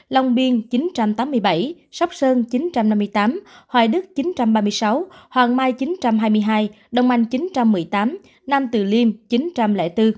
long biên chín trăm tám mươi bảy sóc sơn chín trăm năm mươi tám hoài đức chín trăm ba mươi sáu hoàng mai chín trăm hai mươi hai đông anh chín trăm một mươi tám nam từ liêm chín trăm linh bốn